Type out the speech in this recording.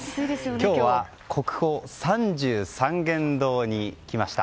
今日は国宝・三十三間堂に来ました。